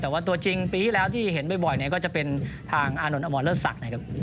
แต่ว่าตัวจริงปีที่แล้วที่เห็นบ่อยเนี่ยก็จะเป็นทางอานนทอมรเลิศศักดิ์นะครับ